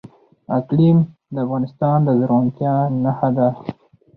اقلیم د افغانستان د زرغونتیا نښه ده.